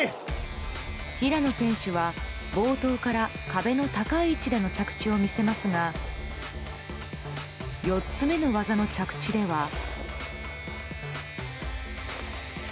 平野選手は冒頭から、壁の高い位置での着地を見せますが４つ目の技の着地では。